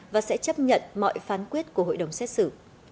và sẽ chấp nhận mọi phán quyết của hội đồng xét xử